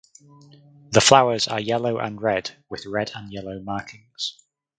The flowers are yellow and red with red and yellow markings.